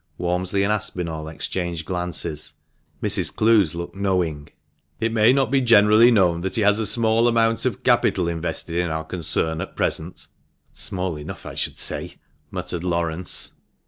(Walmsley and Aspinall exchanged glances. Mrs. Clowes looked knowing.) 408 THE MANCHESTER MAN. "It may not be generally known that he has a small amount of capital invested in our concern at present." (" Small enough, I should say," muttered Laurence.)